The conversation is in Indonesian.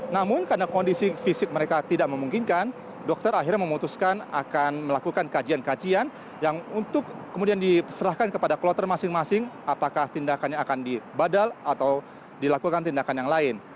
namun karena kondisi fisik mereka tidak memungkinkan dokter akhirnya memutuskan akan melakukan kajian kajian yang untuk kemudian diserahkan kepada kloter masing masing apakah tindakannya akan dibadal atau dilakukan tindakan yang lain